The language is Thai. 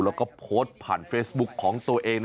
แล้วก็โพสต์ผ่านเฟซบุ๊คของตัวเอง